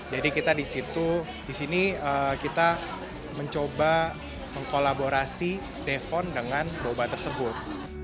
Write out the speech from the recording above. jadi kita disitu disini kita mencoba mengkolaborasi defon dengan boba tersebut